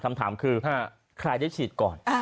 คำถามคือใครได้ฉีดก่อน